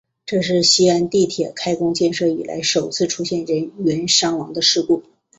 这是西安地铁开工建设以来首次出现人员伤亡的事故。